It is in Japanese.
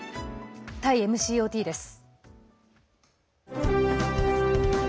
タイＭＣＯＴです。